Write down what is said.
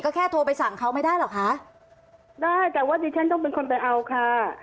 ก็แค่โทรไปสั่งเขาไม่ได้หรอคะได้แต่ว่าดิฉันต้องเป็นคนไปเอาค่ะ